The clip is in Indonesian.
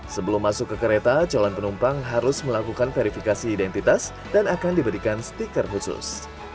sebelum masuk ke kereta calon penumpang harus melakukan verifikasi identitas dan akan diberikan stiker khusus